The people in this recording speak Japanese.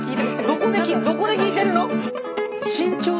どこでどこで弾いてるの？